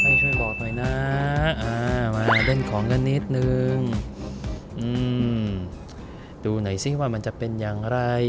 ช่วยบอกหน่อยนะอ่ามาเล่นของกันนิดนึงอืมดูหน่อยซิว่ามันจะเป็นอย่างไร